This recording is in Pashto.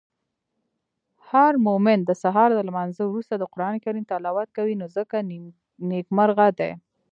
هرمومن د سهار د لمانځه وروسته د قرانکریم تلاوت کوی نو ځکه نیکمرغه دی.